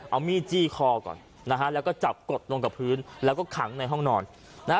เอามีดจี้คอก่อนนะฮะแล้วก็จับกดลงกับพื้นแล้วก็ขังในห้องนอนนะฮะ